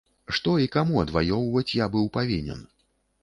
Што і каму адваёўваць я быў павінен?